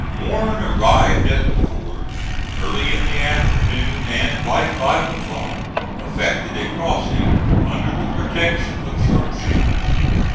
Warren arrived at the ford early in the afternoon, and by five o'clock effected a crossing under the protection of sharpshooters.